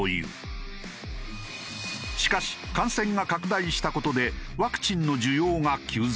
しかし感染が拡大した事でワクチンの需要が急増。